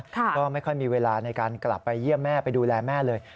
ก็ไม่ค่อยมีเวลาในการกลับไปเยี่ยมแม่ไปดูแลแม่เลย